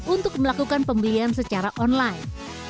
untuk melakukan pembelian secara online